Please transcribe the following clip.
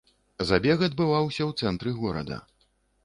Забег адбываўся ў цэнтры горада.